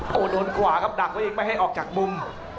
โอ้โหโดนขวาครับดักไว้เองไม่ให้ออกจากมุม